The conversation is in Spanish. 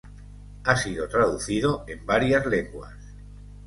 Ha sido traducido en varias lenguas.